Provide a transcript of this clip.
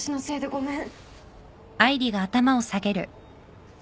ごめん。